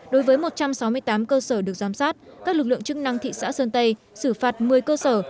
đối với một trăm sáu mươi tám cơ sở được giám sát các lực lượng chức năng thị xã sơn tây xử phạt một mươi cơ sở